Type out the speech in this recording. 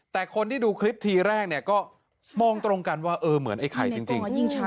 แต่คนที่ดูคลิปทีแรกเนี่ยก็มองตรงกันว่าเออเหมือนไอ้ไข่จริง